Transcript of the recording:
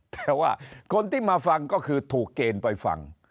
แต่ว่าคนที่มาฟังก็คือถูกเกณฑ์ไปฟัง